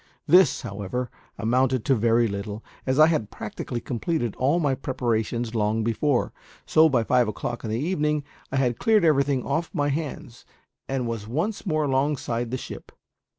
This, however, amounted to very little, as I had practically completed all my preparations long before; so by five o' clock in the evening I had cleared everything off my hands, and was once more alongside the ship.